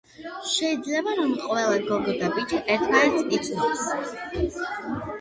შეიძლება რომ ყველა გოგო და ბიჭი ერთმანეთს იცნობს